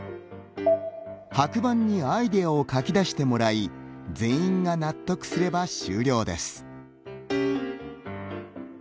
白板にアイデアを書き出してもらい全員が納得すれば、終了です。